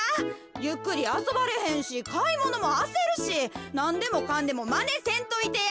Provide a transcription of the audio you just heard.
ゆっくりあそばれへんしかいものもあせるしなんでもかんでもまねせんといてや。